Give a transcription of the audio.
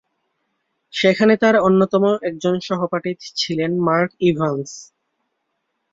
সেখানে তার অন্যতম একজন সহপাঠী ছিলেন মার্ক ইভান্স।